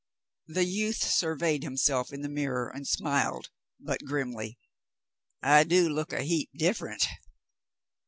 The youth surveyed himself in the mirror and smiled, but grimly. *'I do look a heap different."